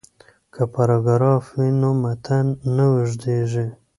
که پاراګراف وي نو متن نه اوږدیږي.